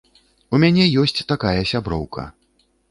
У мяне ёсць такая сяброўка.